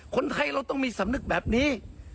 คนไทยเราต้องมีสำนึกแบบนี้